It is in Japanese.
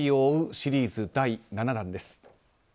シリーズ第７弾です。